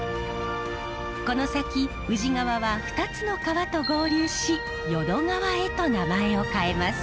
この先宇治川は２つの川と合流し淀川へと名前を変えます。